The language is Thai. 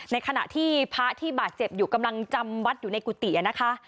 ในขณะที่พระที่บาดเจ็บอยู่กำลังจำวัดอยู่ในกุฏินะคะ